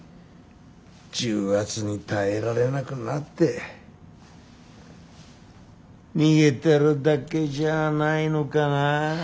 重圧に耐えられなくなって逃げてるだけじゃあないのかなあ。